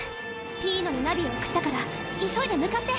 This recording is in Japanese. ピーノにナビを送ったから急いで向かって！